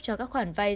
cho các khoản vay